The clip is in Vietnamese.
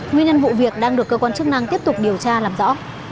nguyên nhân vụ việc đang được cơ quan chức năng tiếp tục điều tra làm rõ